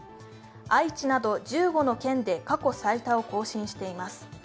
愛知など１５の県で過去最多を更新しています。